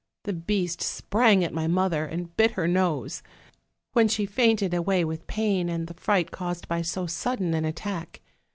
The beast sprang at my mother, and bit her nose, when she fainted away with pain, and the fright caused by so sudden an attack.